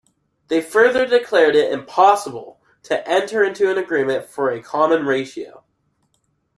They further declared it impossible to enter into an agreement for a common ratio.